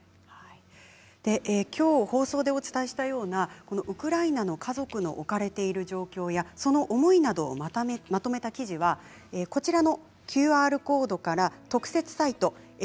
きょう放送でお伝えしたようなこのウクライナの家族の置かれている状況やその思いなどをまとめた記事はこちらのＱＲコードから特設サイト